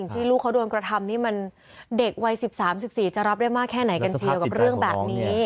ลูกเขาโดนกระทำนี่มันเด็กวัย๑๓๑๔จะรับได้มากแค่ไหนกันเชียวกับเรื่องแบบนี้